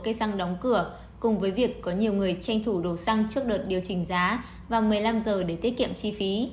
cây xăng đóng cửa cùng với việc có nhiều người tranh thủ đồ xăng trước đợt điều chỉnh giá và một mươi năm giờ để tiết kiệm chi phí